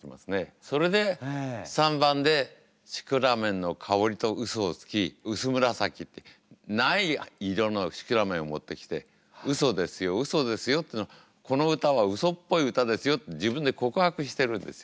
それで３番で「シクラメンのかほり」とウソをつき「うす紫」ってない色のシクラメンを持ってきてウソですよウソですよっていうのをこの歌は「ウソっぽい歌ですよ」って自分で告白してるんですよ。